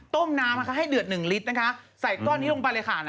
ต้มน้ำให้เดือด๑ลิตรใส่ก้อนนี้ลงไปค่ะ